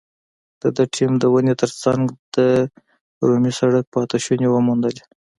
د ده ټیم د ونې تر څنګ د رومي سړک پاتې شونې وموندلې.